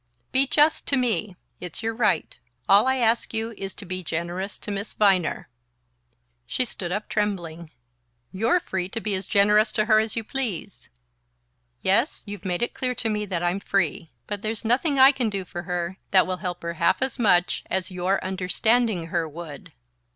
Be just to me it's your right; all I ask you is to be generous to Miss Viner..." She stood up trembling. "You're free to be as generous to her as you please!" "Yes: you've made it clear to me that I'm free. But there's nothing I can do for her that will help her half as much as your understanding her would."